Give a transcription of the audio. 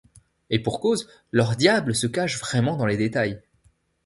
Et pour cause : leur diable se cache vraiment dans les détails.